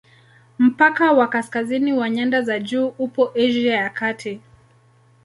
Mpaka wa kaskazini wa nyanda za juu upo Asia ya Kati.